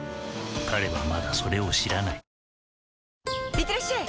いってらっしゃい！